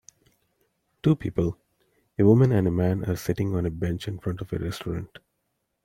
Two people, a woman and a man are sitting on a bench in front of a restaurant